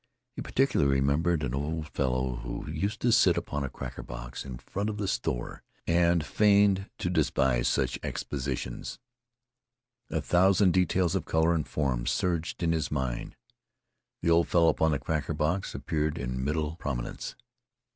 He particularly remembered an old fellow who used to sit upon a cracker box in front of the store and feign to despise such exhibitions. A thousand details of color and form surged in his mind. The old fellow upon the cracker box appeared in middle prominence.